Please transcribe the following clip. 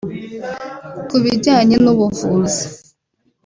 Ku bijyanye n’ubuvuzi